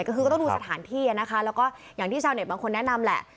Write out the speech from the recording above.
ก็คือก็ต้องดูสถานที่นะคะแล้วก็อย่างที่ชาวเน็ตบางคนแนะนำแหละ